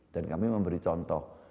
dan kami memberi contoh